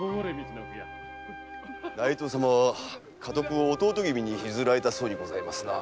内藤様は家督を弟君に譲られたそうにございますな。